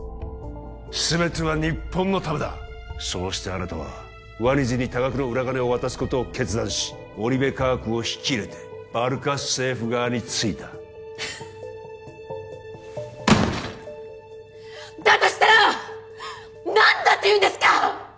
全ては日本のためだそうしてあなたはワニズに多額の裏金を渡すことを決断しオリベ化学を引き入れてバルカ政府側についただとしたら何だっていうんですか？